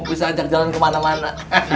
bisa ajak jalan kemana mana